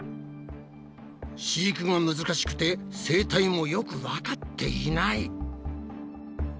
飼育が難しくて生態もよくわかっていない。